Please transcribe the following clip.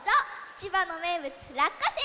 ちばのめいぶつらっかせいです！